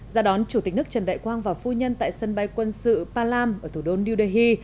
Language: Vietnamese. ra đón chủ tịch nước trần đại quang và phu nhân tại sân bay quân sự palam ở thủ đô new delhi